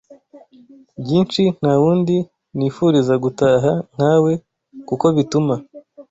byinshi nta wundi nifuriza gutaha nkawe kuko bituma